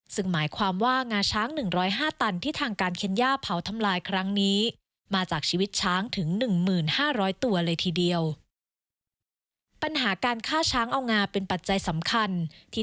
ซึ่งหมายความว่างางาช้าง๑๐๕ตันที่ทางการเค็ญญาเผาทำลายครั้งนี้